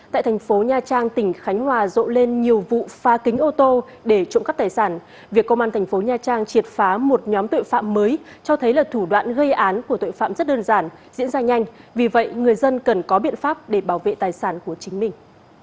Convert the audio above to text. tại thành phố nha trang tỉnh khánh hòa rộ lên nhiều vụ phá kính ô tô để trộm cắp tài sản việc công an thành phố nha trang triệt phá một nhóm tội phạm mới cho thấy là thủ đoạn gây án của tội phạm rất đơn giản diễn ra nhanh vì vậy người dân cần có biện pháp để bảo vệ tài sản của chính mình